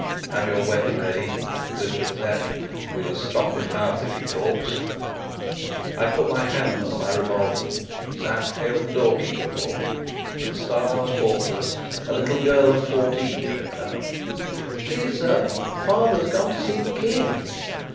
"Have your weapon ready," whispered Sapt. "We must stop his mouth, if he talks." I put my hand on my revolver. Sapt hailed the doorkeeper. The stars fought for us! A little girl of fourteen tripped out. "Please, sir, father's gone to see the King."